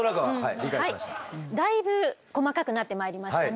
だいぶ細かくなってまいりましたね。